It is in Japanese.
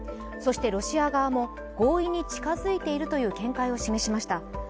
そしてロシア側も合意に近づいているという見解を示しました。